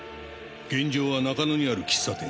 現場は中野にある喫茶店。